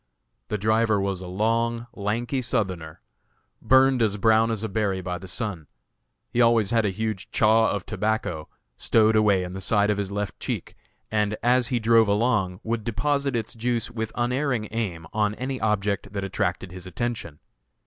The driver was a long, lank Southerner, burned as brown as a berry by the sun. He always had a huge "chaw" of tobacco stowed away in the side of his left cheek, and, as he drove along, would deposit its juice with unerring aim on any object that attracted his attention.